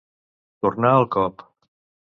Tornar el cop.